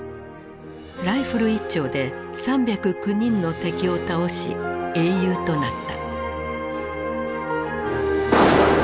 ライフル１丁で３０９人の敵を倒し英雄となった。